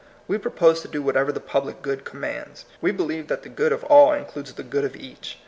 We propose to do whatever the public good commands. We believe that the good of all includes the good of each.